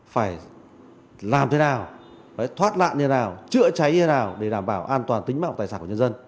phải làm thế nào thoát nạn như thế nào chữa cháy như thế nào để đảm bảo an toàn tính mạng tài sản của nhân dân